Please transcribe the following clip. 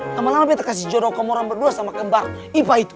selama lama kita kasih jodoh kamu orang berdua sama kembar ipa itu